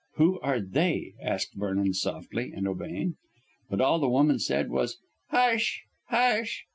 "Who are they?" asked Vernon softly, and obeying. But all the woman said was "Hush, hush!"